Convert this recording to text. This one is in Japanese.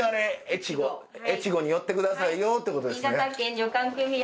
「越後に寄ってくださいよ」ってことですね？